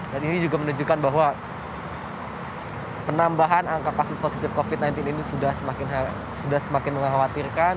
dan ini juga menunjukkan bahwa penambahan angka kasus positif covid sembilan belas ini sudah semakin mengkhawatirkan